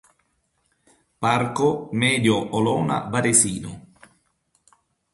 Parco Medio Olona Varesino